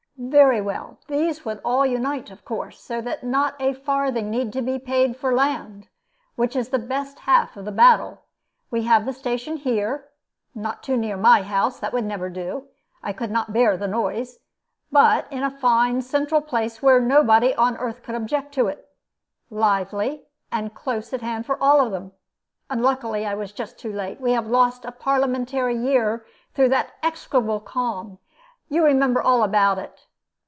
Very well: these would all unite, of course; so that not a farthing need be paid for land, which is the best half of the battle. We have the station here not too near my house; that would never do; I could not bear the noise but in a fine central place where nobody on earth could object to it lively, and close at hand for all of them. Unluckily I was just too late. We have lost a Parliamentary year through that execrable calm you remember all about it.